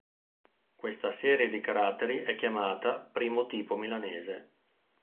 Questa serie di caratteri è chiamata "primo tipo milanese".